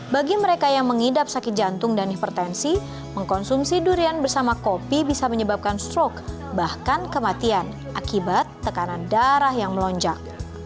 bagi mereka yang mengidap sakit jantung dan hipertensi mengkonsumsi durian bersama kopi bisa menyebabkan stroke bahkan kematian akibat tekanan darah yang melonjak